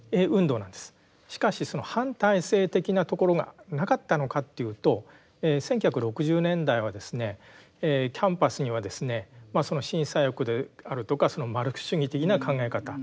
しかしその反体制的なところがなかったのかというと１９６０年代はですねキャンパスにはですね新左翼であるとかマルクス主義的な考え方